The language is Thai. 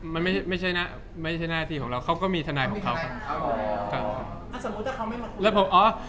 มันไม่ใช่หน้าที่ของเราเขาก็มีธนัยของเขาครับ